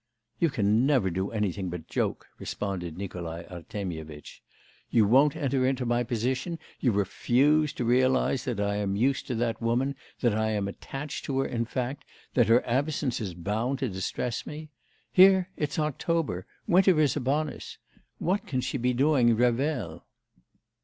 'You can never do anything but joke,' responded Nikolai Artemyevitch. 'You won't enter into my position, you refuse to realise that I am used to that woman, that I am attached to her in fact, that her absence is bound to distress me. Here it's October, winter is upon us. ... What can she be doing in Revel?